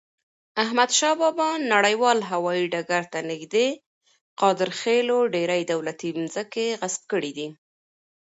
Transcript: احمدشاه بابا نړیوال هوایی ډګر ته نږدې قادرخیلو ډیري دولتی مځکي غصب کړي دي.